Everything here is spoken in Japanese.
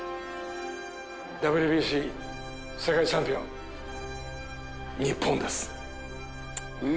ＷＢＣ世界チャンピオン日本です。